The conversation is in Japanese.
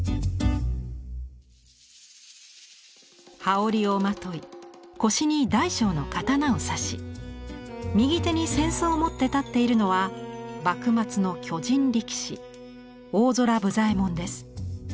羽織をまとい腰に大小の刀を差し右手に扇子を持って立っているのは幕末の巨人力士大空武左衛門です。